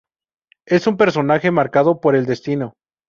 Es un personaje marcado por el destino.